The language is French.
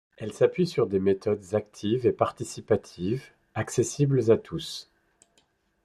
Elle s’appuie sur des méthodes actives et participatives, accessibles à tous.